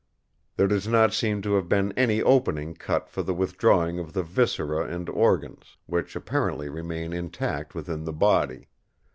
There does not seem to have been any opening cut for the withdrawing of the viscera and organs, which apparently remain intact within the body.